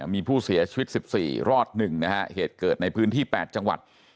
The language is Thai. มีผู้เสียชีวิต๑๔รอด๑นะฮะเหตุเกิดในพื้นที่๘จังหวัด